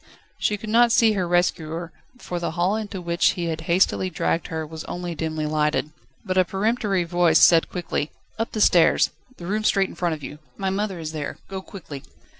She could not see her rescuer, for the hall into which he had hastily dragged her was only dimly lighted. But a peremptory voice said quickly: "Up the stairs, the room straight in front of you, my mother is there. Go quickly."